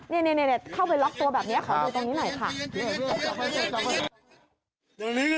นี่เข้าไปล็อกตัวแบบนี้ขอดูตรงนี้หน่อยค่ะ